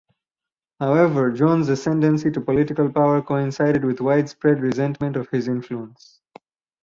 However, John's ascendancy to political power coincided with widespread resentment of his influence.